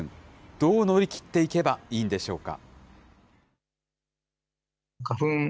どう乗り切っていけばいいんでしょうか。